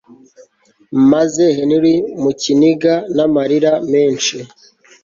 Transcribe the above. maze Henry mu kiniga namarira menshi